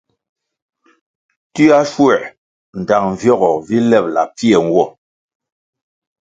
Tioa schuē ndtang vyogo vi lebʼla pfie nwo.